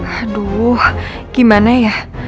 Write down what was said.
aduh gimana ya